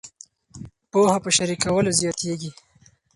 پوهه په شریکولو زیاتیږي.